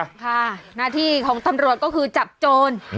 ค่ะหน้าที่ของตำรวจก็คือจับโจร